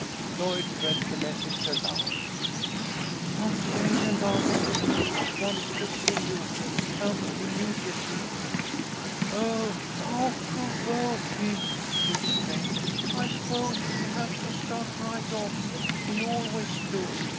Lloyd read the message aloud. "Aunt Jane alarmingly ill; wants to see you. Come immedi ately" " Oh, how provoking !" she exclaimed. " I s'pose we'll have to start right off. We always do.